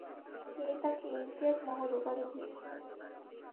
তিনি তাকে ইমতিয়াজ মহল উপাধি দিয়েছিলেন।